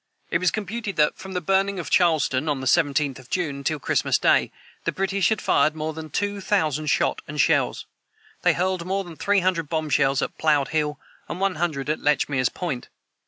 It was computed that, from the burning of Charlestown, on the 17th of June, until Christmas day, the British had fired more than two thousand shot and shells. They hurled more than three hundred bombshells at Plowed hill, and one hundred at Lechmere's point.